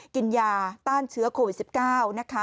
กินยาต้านเชื้อโควิด๑๙นะคะ